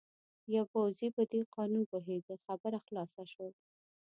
هغه پوځي په دې قانون پوهېده، خبره خلاصه شول.